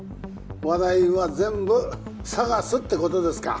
話題は全部ＳＡＧＡＳってことですか